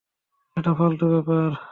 এটা ফালতু ব্যাপার।